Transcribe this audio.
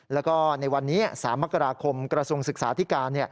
แล้วก็ในวันนี้๓มกราคมกระทรวงศึกษาธิการ